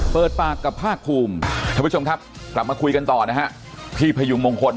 เปิดปากกับภาคภูมิท่านผู้ชมครับกลับมาคุยกันต่อนะฮะพี่พยุงมงคล